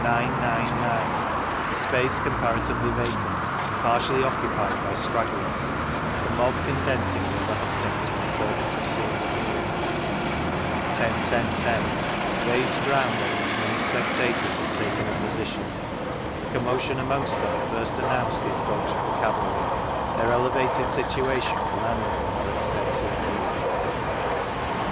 9, A space comparatively vacant; partially occupied by stragglers; the mob condensing near the hustings for the purpose of seeing and hearing, 10,10, 10, Raised ground on which many spec tators had taken a position ; a commotion amongst them first announced the approach of the cavalry ; their elevated situation commanding a more ex tensive view.